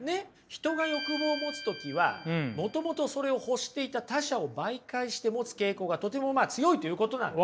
人が欲望を持つ時はもともとそれを欲していた他者を媒介して持つ傾向がとても強いということなんです。